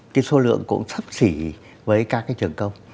cái số lượng cũng sắp xỉ với các cái trường công